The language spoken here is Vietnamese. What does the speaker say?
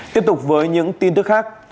tiếp tục với những tin tức khác